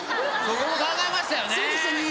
そこも考えましたよねー？